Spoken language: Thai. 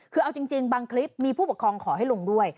คือเอาจริงบางคลิปมีผู้ปกครองขอให้ลงด้วย